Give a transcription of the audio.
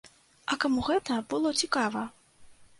А каму гэта было цікава?